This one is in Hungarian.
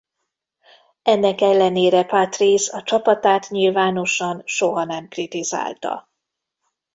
Ennek ellenére Patrese a csapatát nyilvánosan soha nem kritizálta.